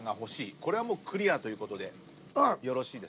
これはもうクリアということでよろしいですね。